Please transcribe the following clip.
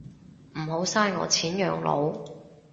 唔好嘥我錢養老